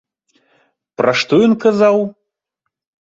Пра што ён казаў?